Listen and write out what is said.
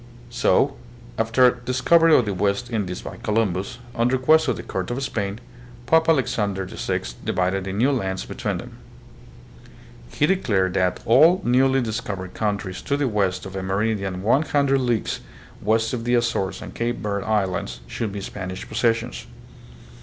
So, after the discovery of the West Indies by Columbus, on request of the Court of Spain, Pope Alexander VI. divided the new lands between them. He declared that s 85 86 THE PHILIPPINES. all newly discovered countries to the west of a meridian 100 leagues west of the Azores and Cape Verde Islands should be Spanish possessions.